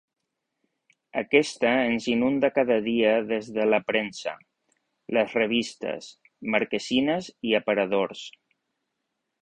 Aquesta ens inunda cada dia des de la premsa, les revistes, marquesines i aparadors.